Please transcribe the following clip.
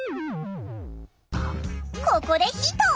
ここでヒント！